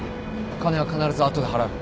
金は必ず後で払う。